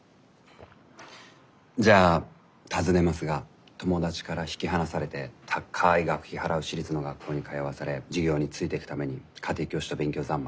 じゃあ尋ねますが友達から引き離されて高い学費払う私立の学校に通わされ授業についていくために家庭教師と勉強三昧。